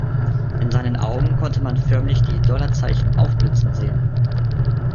In seinen Augen konnte man förmlich die Dollarzeichen aufblitzen sehen.